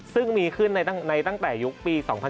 ซึ่งมีขึ้นในตั้งแต่ยุคปี๒๕๕๙